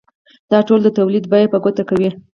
دا ټول د تولید بیه په ګوته کوي